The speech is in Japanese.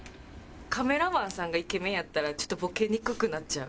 カメラマンさんがイケメンやったらちょっとボケにくくなっちゃう。